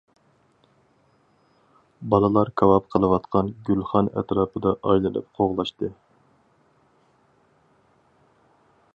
بالىلار كاۋاپ قىلىۋاتقان گۈلخان ئەتراپىدا ئايلىنىپ قوغلاشتى.